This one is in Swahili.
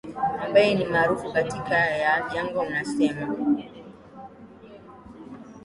ambaye ni maarufu katikati ya jangwa anasema